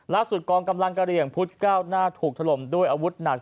ล่าสุดกองกำลังกระเรียงพุทธเก้าหน้าถูกถล่มด้วยอาวุธหนัก